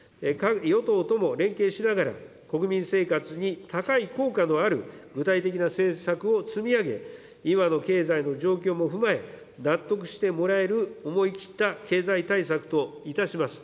与党とも連携しながら、国民生活に高い効果のある具体的な政策を積み上げ、今の経済の状況も踏まえ、納得してもらえる思い切った経済対策といたします。